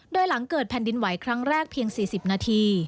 โดยหลังเกิดแผ่นดินไหวครั้งแรกเพียง๔๐นาที